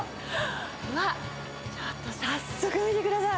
わっ、ちょっと早速見てください。